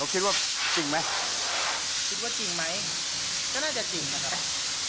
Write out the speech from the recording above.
คิดว่าจริงไหมคิดว่าจริงไหมก็น่าจะจริงนะครับ